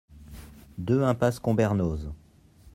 deux impasse Combernoz